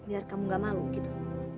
biar kamu gak malu gitu